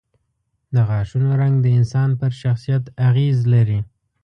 د غاښونو رنګ د انسان پر شخصیت اغېز لري.